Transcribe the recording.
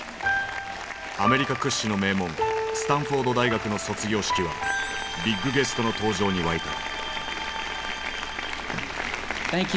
アメリカ屈指の名門スタンフォード大学の卒業式はビッグゲストの登場に沸いた。